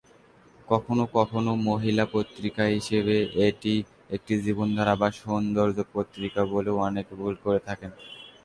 কখনও কখনও মহিলা পত্রিকা হিসাবে এটি একটি জীবনধারা বা সৌন্দর্য পত্রিকা বলেও অনেকে ভুল করে থাকেন।